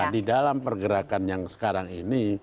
di dalam pergerakan yang sekarang ini